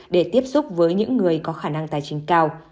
để tiếp xúc với những người có khả năng tài chính cao